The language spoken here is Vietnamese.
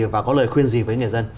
và có lời khuyên gì với người dân